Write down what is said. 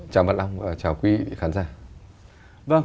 chào mừng ông và chào quý khán giả